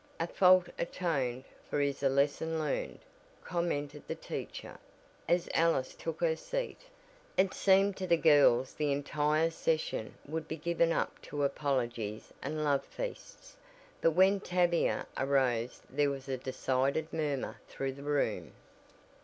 "A fault atoned for is a lesson learned," commented the teacher, as Alice took her seat. It seemed to the girls the entire session would be given up to apologies and "love feasts," but when Tavia arose there was a decided murmur through the room.